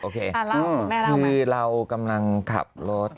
คือเรากำลังขับรถ